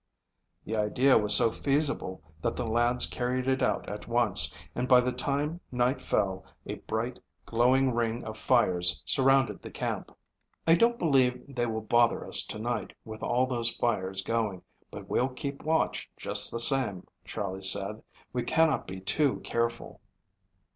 The idea was so feasible that the lads carried it out at once, and by the time night fell a bright glowing ring of fires surrounded the camp. "I don't believe they will bother us to night with all those fires going, but we'll keep watch just the same," Charley said. "We cannot be too careful."